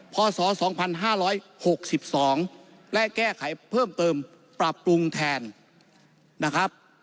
พศ๒๕๖๒และแก้ไขเพิ่มเติมปรับปรุงแทนนะครับ